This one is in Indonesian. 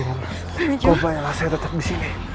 kau bayarlah saya tetap disini